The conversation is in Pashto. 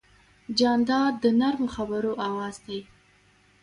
جانداد د نرمو خبرو آواز دی.